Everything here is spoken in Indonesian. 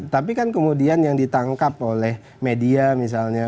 tapi kan kemudian yang ditangkap oleh media misalnya